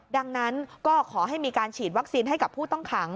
ดังนั้นก็ขอให้มีการฉีดวัคซีนให้กับผู้ต้องขัง